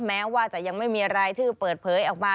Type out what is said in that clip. แม้ว่าจะยังไม่มีรายชื่อเปิดเผยออกมา